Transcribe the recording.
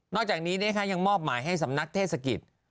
นอกจากนี้เนี่ยค่ะยังมอบหมายให้สำนักเทศกิจ